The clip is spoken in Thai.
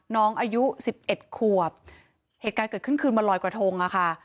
น้องอายุ๑๑ขวบเหตุการณ์เกิดขึ้นคืนวันลอยกระทงอะค่ะ